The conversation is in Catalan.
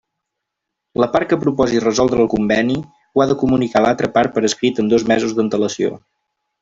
La part que proposi resoldre el Conveni ho ha de comunicar a l'altra part per escrit amb dos mesos d'antelació.